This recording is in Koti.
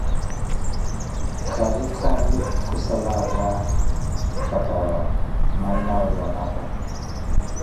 Khari khari khusala áta patarawu, mannawe Zanapo.